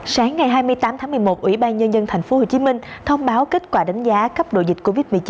sáng ngày hai mươi tám tháng một mươi một ủy ban nhân dân tp hcm thông báo kết quả đánh giá cấp độ dịch covid một mươi chín